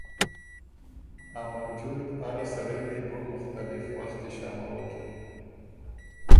ا موجود اره سړئ دی بُو مُختلف وختی شاموکِن